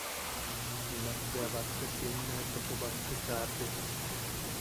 Junak bea batte cien metropo bat te kaate.